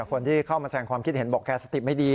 คนที่เข้ามาแสงความคิดเห็นบอกแกสติไม่ดี